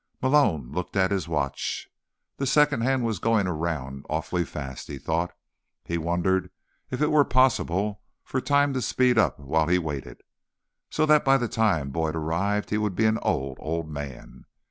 Malone looked at his watch. The second hand was going around awfully fast, he thought. He wondered if it were possible for time to speed up while he waited, so that by the time Boyd arrived he would be an old, old man.